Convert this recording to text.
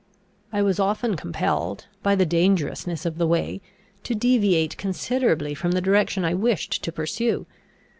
I was often compelled, by the dangerousness of the way, to deviate considerably from the direction I wished to pursue.